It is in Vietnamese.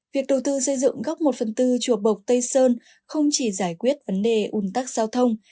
việc đầu tư xây dựng góc một phần tư chùa bộc tây sơn không chỉ giải quyết vấn đề un tắc giao thông